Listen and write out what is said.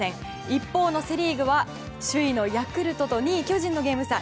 一方のセ・リーグは首位のヤクルトと２位の巨人のゲーム差